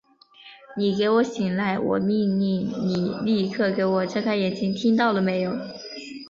你给我醒来！我命令你立刻给我睁开眼睛，听到了没有！